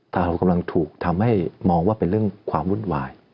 แต่เรากำลังถูกทำให้มองว่าเป็นเรื่องความวุ่นวาย